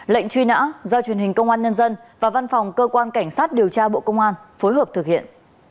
lệnh truy nã do truyền hình công an nhân dân và văn phòng cơ quan cảnh sát điều tra bộ công an phối hợp thực hiện